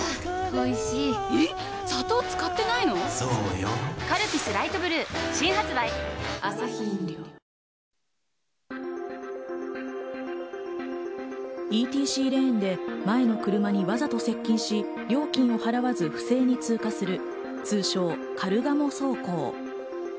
同一の男がＥＴＣレーンで前の車にわざと接近し、料金を払わず不正に追加する通称カルガモ走行。